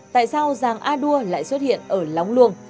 tại sao giàng a đua lại xuất hiện ở lóng luông